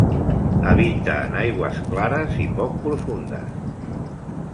Habita en aigües clares i poc profundes.